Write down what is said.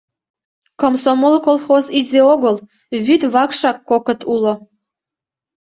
«Комсомол» колхоз изи огыл, вӱд вакшак кокыт уло.